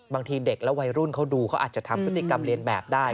บางทีเด็กและวัยรุ่นเขาดูเขาอาจจะทำพฤติกรรมเรียนแบบได้